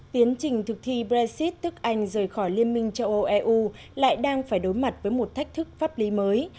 tiến trình thực thi brexit tức anh rời khỏi liên minh châu âu eu lại đang phải đối mặt với một thách thức pháp lý mới